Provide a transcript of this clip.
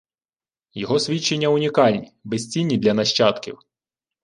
Його свідчення унікальні, безцінні для нащадків